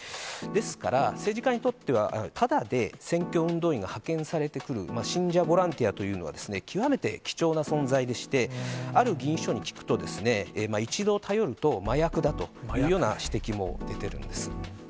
ですから政治家にとっては、ただで選挙運動員が派遣されてくる、信者ボランティアというのは、極めて貴重な存在でして、ある議員秘書に聞くと、一度頼ると、麻薬だというような指摘も出てるんです。